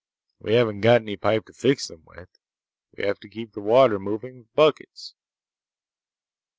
We haven't got any pipe to fix them with. We have to keep the water moving with buckets."